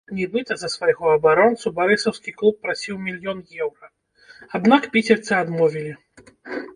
Нібыта за свайго абаронцу барысаўскі клуб прасіў мільён еўра, аднак піцерцы адмовілі.